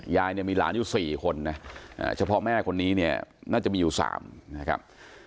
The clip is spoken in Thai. ยายเนี่ยมีหลานอยู่๔คนนะเฉพาะแม่คนนี้เนี่ยน่าจะมีอยู่๓นะครับ